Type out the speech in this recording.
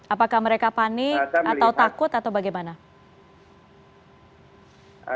apakah mereka panik atau takut atau bagaimana